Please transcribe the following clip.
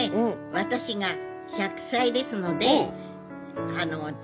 私が１００歳ですので。